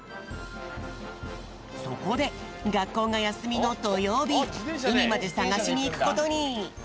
そこでがっこうがやすみのどようびうみまでさがしにいくことに。